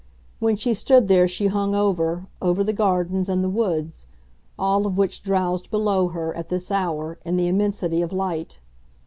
When she stood there she hung over, over the gardens and the woods all of which drowsed below her, at this hour, in the immensity of light.